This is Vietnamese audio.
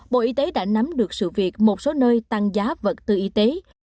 bộ y tế đã nắm được sự việc một số nơi tăng giá vật tư y tế